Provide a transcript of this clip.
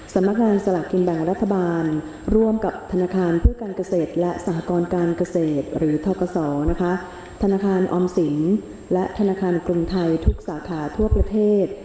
สำนักงานสลากกินแบ่งรัฐบาลร่วมกับธนาคารเพื่อการเกษตรและสหกรการเกษตรหรือทกศธนาคารออมสินและธนาคารกรุงไทยทุกสาขาทั่วประเทศ